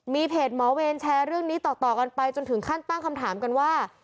มีเพจหมอเวรแชร์เรื่องนี้ต่อกันไปจนถึงขั้นตั้งคำถามกันว่า